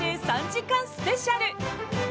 ３時間スペシャル。